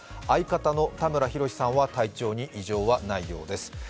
相方の田村裕さんは体調に異常はないようです。